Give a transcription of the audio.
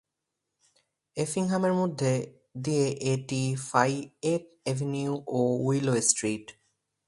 এফিংহামের মধ্য দিয়ে এটি ফাইয়েট এভিনিউ ও উইলো স্ট্রিট।